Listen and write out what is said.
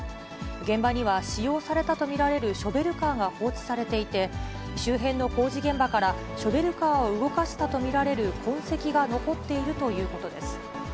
現場には使用されたと見られるショベルカーが放置されていて、周辺の工事現場から、ショベルカーを動かしたと見られる痕跡が残っているということです。